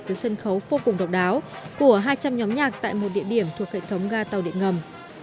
dưới sân khấu vô cùng độc đáo của hai trăm linh nhóm nhạc tại một địa điểm thuộc hệ thống ga tàu điện ngầm